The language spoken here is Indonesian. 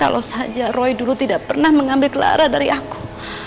kalau saja roy dulu tidak pernah mengambil clara dari aku